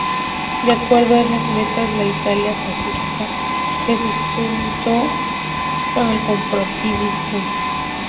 De acuerdo a estas metas, la Italia fascista se sustentó en el corporativismo.